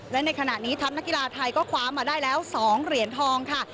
และในขณะนี้ทัพนักกีฬาไทยก็คว้ามาได้แล้ว๒เหรียญทองค่ะ